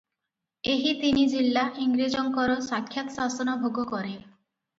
ଏହି ତିନିଜିଲା ଇଂରେଜଙ୍କର ସାକ୍ଷାତ୍ଶାସନ ଭୋଗ କରେ ।